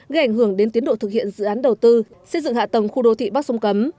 gây ảnh hưởng đến tiến độ thực hiện dự án đầu tư xây dựng hạ tầng khu đô thị bắc sông cấm